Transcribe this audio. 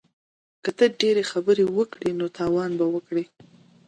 که ته ډیرې خبرې وکړې نو تاوان به وکړې